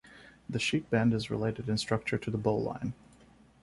The sheet bend is related in structure to the bowline.